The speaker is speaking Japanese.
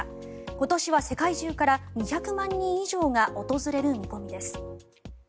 今年は世界中から２００万人以上が訪れる見込みです。